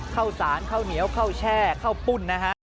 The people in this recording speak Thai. เข้าสานเข้าเหนียวเข้าแช่เข้าปุ่นนะคะ